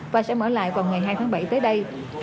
và sẽ mở lại vào ngày hai tháng bảy tới đây